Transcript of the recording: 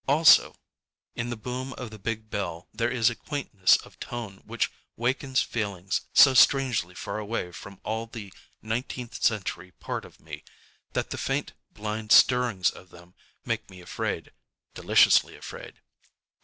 Also in the boom of the big bell there is a quaintness of tone which wakens feelings, so strangely far away from all the nineteenth century part of me, that the faint blind stirrings of them make me afraid, ŌĆödeliciously afraid.